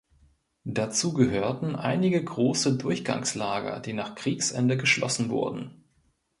Dazu gehörten einige große Durchgangslager, die nach Kriegsende geschlossen wurden.